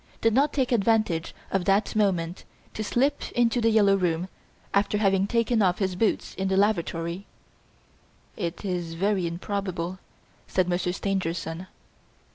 did not take advantage of that moment to slip into "The Yellow Room", after having taken off his boots in the lavatory?" "It is very improbable," said Monsieur Stangerson.